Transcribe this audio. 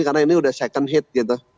karena ini sudah second hit gitu